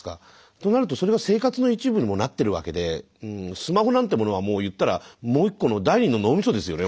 となるとそれが生活の一部にもなってるわけでスマホなんてものはもう言ったらもう１個の第２の脳みそですよね